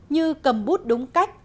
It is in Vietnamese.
như cầm bút đúng cách